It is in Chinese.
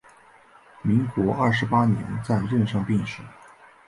民国二十八年在任上病逝。